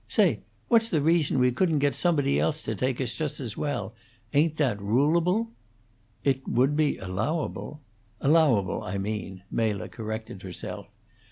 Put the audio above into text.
Say! What's the reason we couldn't get somebody else to take us just as well? Ain't that rulable?" "It would be allowable " "Allowable, I mean," Mela corrected herself.